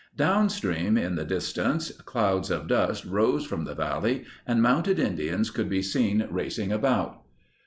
Downstream in the distance, clouds of dust rose from the valley, and mounted Indians could be seen racing about.